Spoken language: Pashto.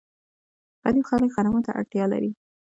غریب خلک غنمو ته اړتیا لري.